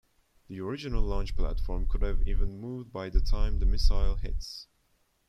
The original launch platform could have even moved by the time the missile hits.